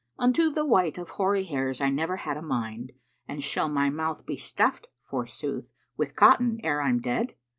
Unto the white of hoary hairs I never had a mind, And shall my mouth be stuffed, forsooth, with cotton, ere I'm dead?'